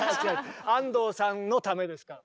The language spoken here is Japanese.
安藤さんのためですから。